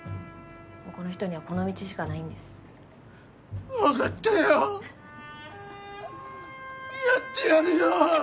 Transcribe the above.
もうこの人にはこの道しかないんです分かったよやってやるよ！